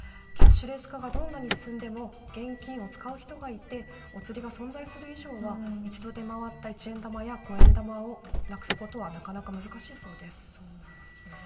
キャッシュレス化がどんなに進んでも現金を使う人がいておつりが存在する以上は一度出回った一円玉や五円玉をなくすことはなかなか難しいそうです。